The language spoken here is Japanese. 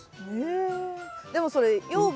でもそれ養分